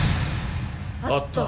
あった。